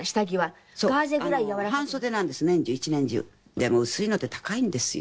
でも薄いのって高いんですよ